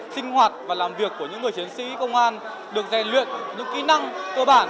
sinh hoạt và làm việc của những người chiến sĩ công an được rèn luyện những kỹ năng cơ bản